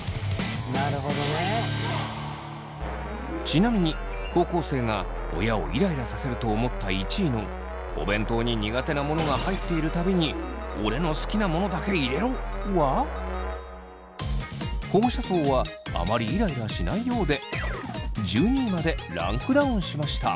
ちなみに高校生が親をイライラさせると思った１位のお弁当に苦手なものが入っている度に「オレの好きなものだけ入れろ！」は保護者層はあまりイライラしないようで１２位までランクダウンしました。